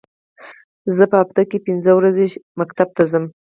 زه په اونۍ کې پینځه ورځې ښوونځي ته ځم